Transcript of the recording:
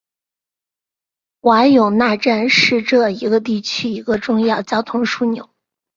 瓦永纳站是这一地区的一个重要交通枢纽。